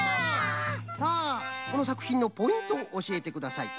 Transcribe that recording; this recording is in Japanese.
さあこのさくひんのポイントをおしえてください。